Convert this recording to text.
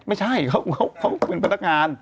ไม่ใช่เขาเป็นพนักงาน